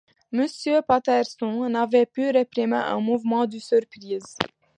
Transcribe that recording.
Monsieur Patterson n’avait pu réprimer un mouvement de surprise.